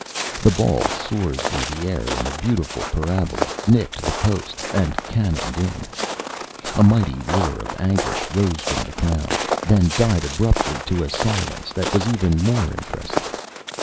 The ball soared through the air in a beautiful parabola, nicked the post — and cannoned in. A mighty roar of anguish rose from the crowd, then died abruptly to a silence that was even more im pressive.